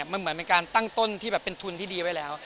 มันเหมือนเป็นการตั้งต้นที่แบบเป็นทุนที่ดีไว้แล้ว